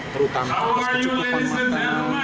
terutama untuk kecukupan matang